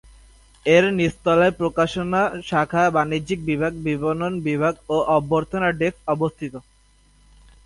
এর নিচতলায় প্রকাশনা শাখা, বাণিজ্যিক বিভাগ, বিপণন বিভাগ ও অভ্যর্থনা ডেস্ক অবস্থিত।